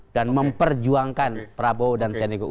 dan memperjuangkan prabowo dan sandiaga uno